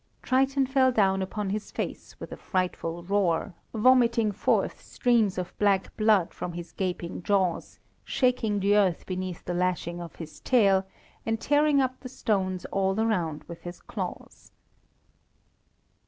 Triton fell down upon his face with a frightful roar, vomiting forth streams of black blood from his gaping jaws, shaking the earth beneath the lashing of his tail, and tearing up the stones all around with his claws.